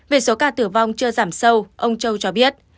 về số ca tử vong chưa giảm sâu ông châu cho biết